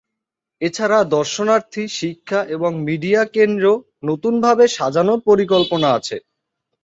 এছাড়া দর্শনার্থী, শিক্ষা এবং মিডিয়া কেন্দ্র নতুনভাবে সাজানোর পরিকল্পনা আছে।